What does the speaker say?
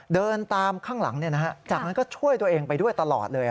เดินตามข้างหลังจากนั้นก็ช่วยตัวเองไปด้วยตลอดเลย